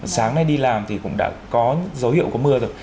sáng nay đi làm thì cũng đã có dấu hiệu có mưa rồi